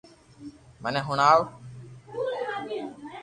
مني ھڻاووُ